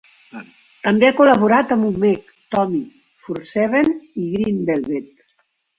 També ha col·laborat amb Umek, Tommy Four Seven i Green Velvet.